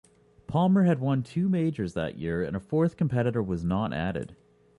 Palmer had won two majors that year and a fourth competitor was not added.